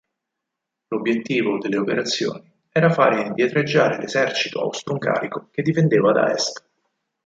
L'obiettivo delle operazioni era far indietreggiare l'esercito austro-ungarico che difendeva da est.